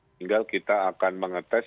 tinggal kita akan mengetes